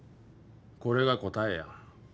これが答えや。